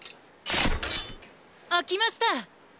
あきました！